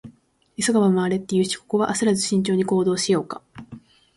「急がば回れ」って言うし、ここは焦らず慎重に行動しようか。